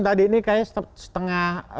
tadi ini kayaknya setengah